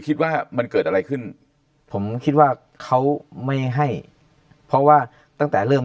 คิดว่ามันเกิดอะไรขึ้นผมคิดว่าเขาไม่ให้เพราะว่าตั้งแต่เริ่ม